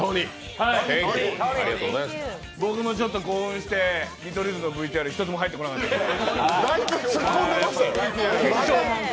僕もちょっと興奮して見取り図のＶＴＲ一つも入ってこなかったです。